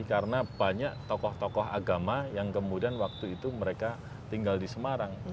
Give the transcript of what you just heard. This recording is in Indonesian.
karena banyak tokoh tokoh agama yang kemudian waktu itu mereka tinggal di semarang